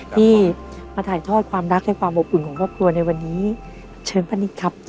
ที่มาถ่ายทอดความรักและความอบอุ่นของครอบครัวในวันนี้เชิญป้านิตครับ